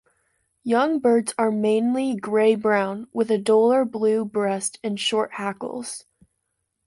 Young birds are mainly grey-brown, with a duller blue breast and short hackles.